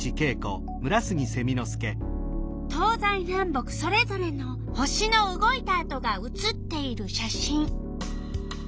東西南北それぞれの星の動いたあとが写っている写真。